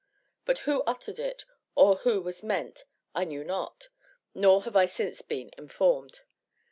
but who uttered it or who was meant I knew not, nor have I since been informed.